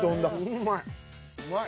うんまい。